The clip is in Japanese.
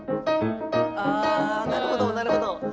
なるほどなるほど。